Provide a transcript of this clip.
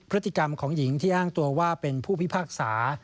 พฤติกรรมของหญิงที่อ้างตัวว่าเป็นผู้พิพากษา